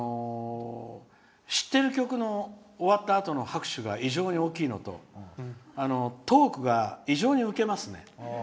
知ってる曲の終わったあとが拍手が異常に大きいのとトークが異常にウケますね。